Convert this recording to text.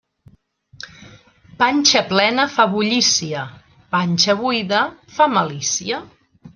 Panxa plena fa bullícia; panxa buida fa malícia.